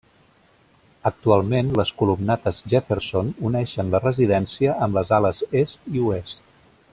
Actualment les columnates Jefferson uneixen la residència amb les Ales Est i Oest.